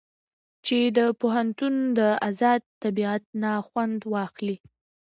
چې د پوهنتون د ازاد طبيعت نه خوند واخلي.